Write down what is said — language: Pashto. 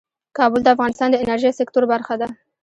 کابل د افغانستان د انرژۍ سکتور برخه ده.